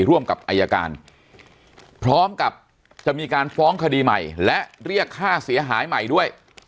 ร่วมกับอายการพร้อมกับจะมีการฟ้องคดีใหม่และเรียกค่าเสียหายใหม่ด้วย